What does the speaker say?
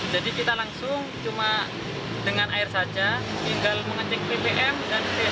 jadi kita langsung cuma dengan air saja tinggal mengecek ppm